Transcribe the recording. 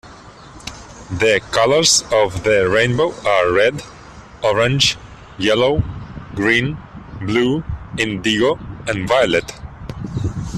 The colours of the rainbow are red, orange, yellow, green, blue, indigo, and violet.